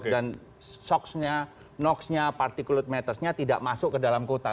dan sox nya nox nya particulate matter nya tidak masuk ke dalam kota